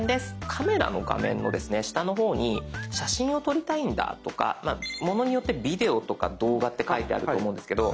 カメラの画面の下の方に写真を撮りたいんだとかものによってビデオとか動画って書いてあると思うんですけど